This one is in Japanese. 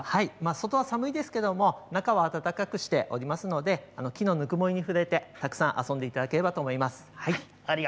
外は寒いですけれど中は暖かくしていますので木のぬくもりに触れてたくさん遊んでいただければと思います。